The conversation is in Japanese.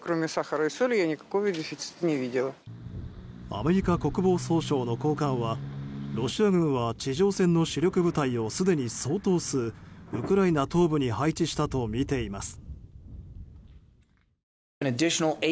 アメリカ国防総省の高官はロシア軍は地上戦の主力部隊をすでに相当数ウクライナ東部に配置したとみています。